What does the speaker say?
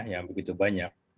yang begitu banyak